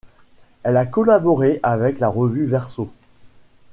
Elle a collaboré avec la revue Verso.